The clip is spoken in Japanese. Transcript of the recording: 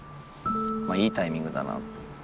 まぁいいタイミングだなって。